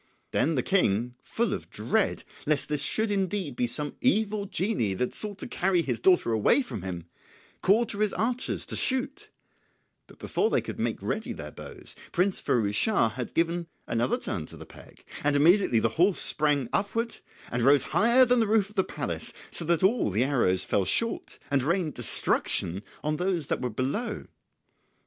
Then the King, full of dread lest this should indeed be some evil genie that sought to carry his daughter away from him, called to his archers to shoot, but before they could make ready their bows Prince Firouz Schah had given another turn to the peg, and immediately the horse sprang upward and rose higher than the roof of the palace, so that all the arrows fell short and rained destruction on those that were below.